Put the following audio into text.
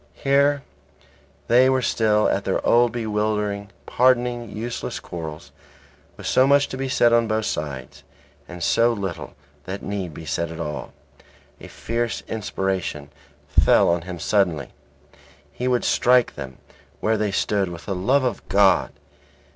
Here they were still at their old bewildering, pardonable, useless quarrels, with so much to be said on both sides, and so little that need be said at all. A fierce inspiration fell on him suddenly; he would strike them where they stood with the love of God.